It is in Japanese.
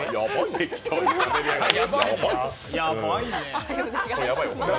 やばいよ。